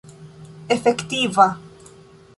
efektiva